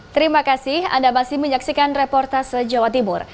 terima kasih anda masih menyaksikan reportase jawa timur